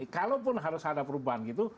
kalaupun harus ada perubahan gitu